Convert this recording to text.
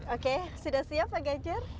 oke sudah siap pak gadger